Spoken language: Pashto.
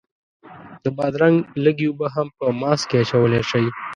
د بادرنګ لږې اوبه هم په ماسک کې اچولی شئ.